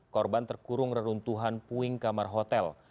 korban terkurung reruntuhan puing kamar hotel